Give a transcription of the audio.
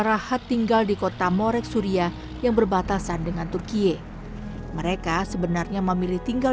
rahat tinggal di kota morek suria yang berbatasan dengan turkiye mereka sebenarnya memilih tinggal